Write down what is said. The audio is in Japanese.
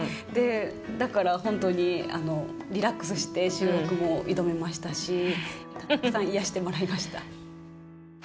だからほんとにリラックスして収録も挑めましたしたくさん癒やしてもらいました。